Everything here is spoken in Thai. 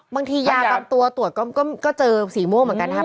บางทียากล้ำตัวตรวจก็เจอสีม่วงเหมือนกันครับ